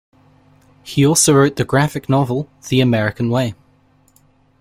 He also wrote the graphic novel "The American Way".